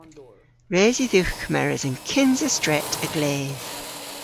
Res yw dhywgh kemeres an kynsa stret a-gledh.